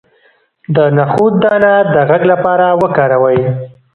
د نخود دانه د غږ لپاره وکاروئ